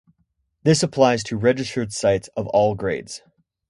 This applies to registered sites of all grades.